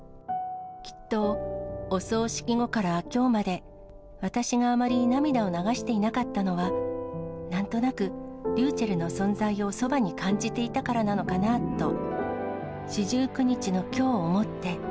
きっと、お葬式後からきょうまで、私があまり涙を流していなかったのは、なんとなく、りゅうちぇるの存在をそばに感じていたからなのかな？と四十九日のきょう思って。